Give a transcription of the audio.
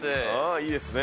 いいですね。